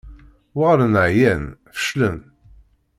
Uɣalen ɛyan, feclen.